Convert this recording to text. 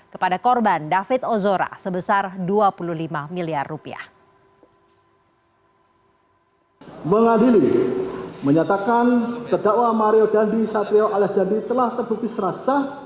kepada korban david ozora sebesar dua puluh lima miliar rupiah